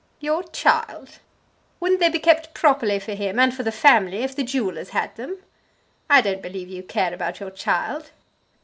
"Your child! Wouldn't they be kept properly for him, and for the family, if the jewellers had them? I don't believe you care about your child."